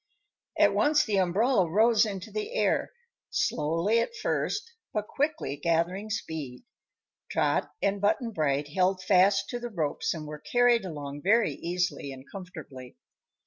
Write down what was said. At once the umbrella rose into the air; slowly, at first, but quickly gathering speed. Trot and Button Bright held fast to the ropes and were carried along very easily and comfortably.